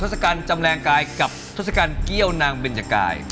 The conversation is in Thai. ทศกัณฐ์จำแรงกายกับทศกัณฐ์เกี้ยวนางเบนเจอร์กาย